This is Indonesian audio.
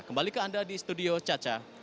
kembali ke anda di studio caca